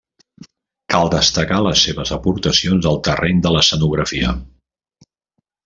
Cal destacar les seves aportacions al terreny de l'escenografia.